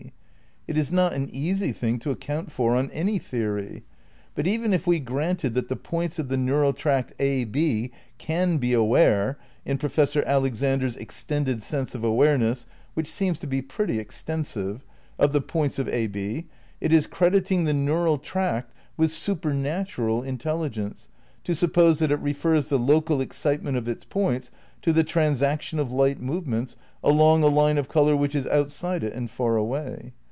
It is not an easy thing to account for on any theory, but even if we granted that the points of the neural tract A B can be aware (in Professor Alexander's extended sense of awareness which seems to be pretty extensive) of the points of ab, it is credit ing the neural tract with supernatural intelligence to suppose that it refers the local excitement of its points to the "transaction of light movements" along a line of colour which is outside it and far away.